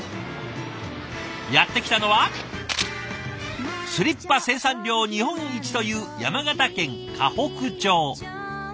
やって来たのはスリッパ生産量日本一という山形県河北町。